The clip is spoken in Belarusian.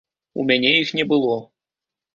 У мяне іх не было.